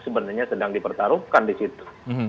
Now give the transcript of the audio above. sebenarnya sedang dipertaruhkan di situ